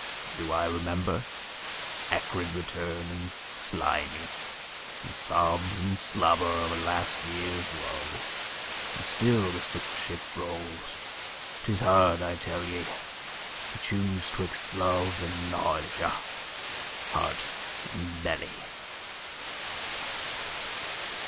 Do I remember? Acrid return and slimy, The sobs and slobber of a last years woe. And still the sick ship rolls. 'Tis hard, I tell ye, To choose 'twixt love and nausea, heart and belly.